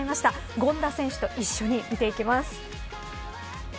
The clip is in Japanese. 権田選手と一緒に見ていきます。